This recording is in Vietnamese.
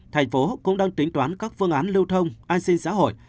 thành phố cũng đang tính toán các phương án lưu thông an sinh xã hội